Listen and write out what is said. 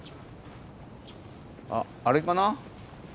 ああれかな？